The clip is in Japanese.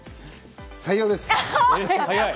採用です。